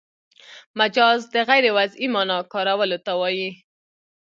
مجاز د غیر وضعي مانا کارولو ته وايي.